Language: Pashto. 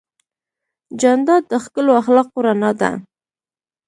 جانداد د ښکلو اخلاقو رڼا ده.